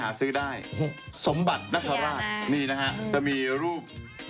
หาซื้อได้สมบัติคนาคาราคมีรูป